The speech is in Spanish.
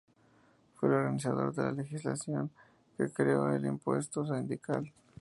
Fue el organizador de la legislación que creó el impuesto sindical.